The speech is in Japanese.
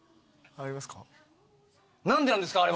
ありますか？